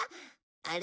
あれ？